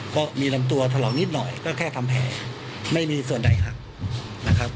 ก็มีลำตัวถลอกนิดหน่อยก็แค่ทำแผลไม่มีส่วนใดหักนะครับ